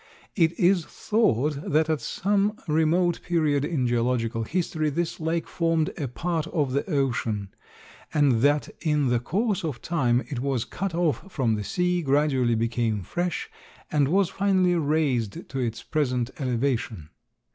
It is thought that at some remote period in geological history this lake formed a part of the ocean and that in the course of time it was cut off from the sea, gradually became fresh and was finally raised to its present elevation.